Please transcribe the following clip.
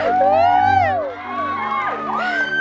ขอบคุณครับ